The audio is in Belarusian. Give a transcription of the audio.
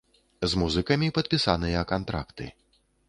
З музыкамі падпісаныя кантракты.